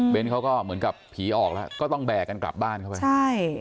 เขาก็เหมือนกับผีออกแล้วก็ต้องแบกกันกลับบ้านเข้าไปใช่